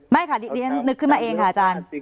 ไม่ค่ะดิฉันนึกขึ้นมาเองค่ะอาจารย์